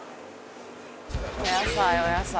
お野菜、お野菜。